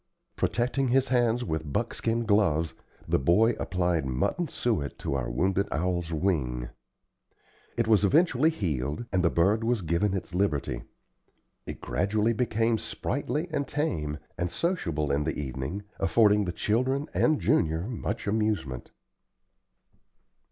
Protecting his hands with buckskin gloves, the boy applied mutton suet to our wounded owl's wing. It was eventually healed, and the bird was given its liberty. It gradually became sprightly and tame, and sociable in the evening, affording the children and Junior much amusement.